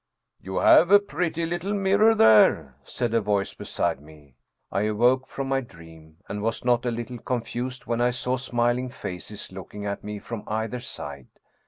" You have a pretty little mirror there," said a voice be side me. I awoke from my dream, and was not a little con fused when I saw smiling faces looking at me from either side.